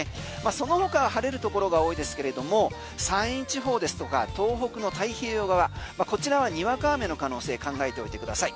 その他、晴れるところが多いですけれども山陰地方ですとか東北の太平洋側こちらはにわか雨の可能性考えておいてください。